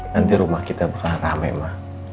nanti rumah kita bakal rame ma